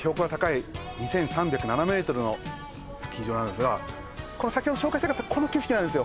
これのスキー場なんですがこれ先ほど紹介したかったこの景色なんですよ